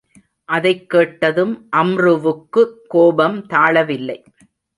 அதைக் கேட்டதும் அம்ருவுக்குக் கோபம் தாளவில்லை.